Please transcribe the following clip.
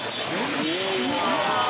うわ！